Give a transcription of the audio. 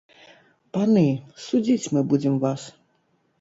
Паны, судзіць мы будзем вас!